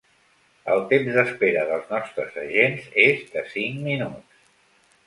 El temps d'espera dels nostres agents és de cinc minuts.